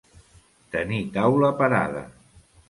Tenir taula parada.